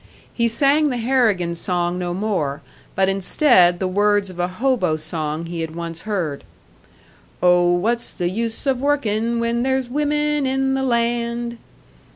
He sang the Harrigan song no more, but instead the words of a hobo song he had once heard: "Oh, what's the use of workin' when there's women in the land?"